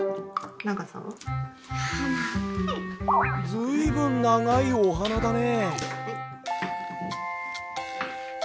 ずいぶんながいおはなだね。